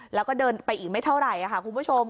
แล้วก็เดินไปอีกไม่เท่าไหร่ค่ะคุณผู้ชม